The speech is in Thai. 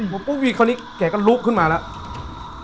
พอปุ๊บอีกเขาก็ลุกขึ้นมาแล้ว